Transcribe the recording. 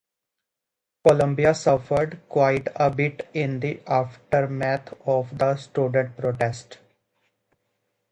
Columbia suffered quite a bit in the aftermath of the student protest.